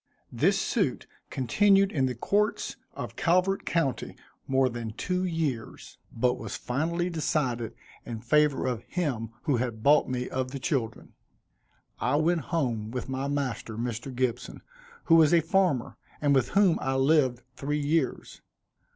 This suit continued in the courts of Calvert county more than two years; but was finally decided in favor of him who had bought me of the children. I went home with my master, Mr. Gibson, who was a farmer, and with whom I lived three years.